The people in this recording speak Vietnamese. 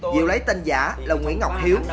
diệu lấy tên giả là nguyễn ngọc hiếu